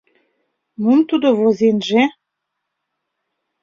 — Мом тудо возенже?